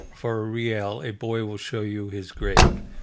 For a real, a boy will show you his grave.